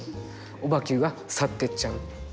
オバＱが去っていっちゃう。